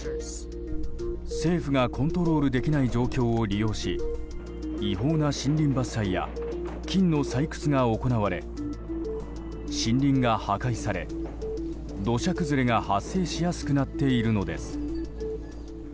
政府がコントロールできない状況を利用し違法な森林伐採や金の採掘が行われ森林が破壊され、土砂崩れが発生しやすくなっているのです。